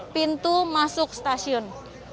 pintu masuk stasiun